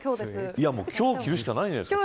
今日着るしかないじゃないですか。